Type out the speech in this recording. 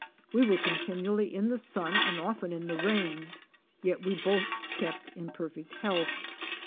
We were continually in the sun and often in the rain, yet we both kept in perfect health.